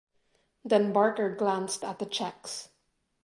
Then Barker glanced at the checks.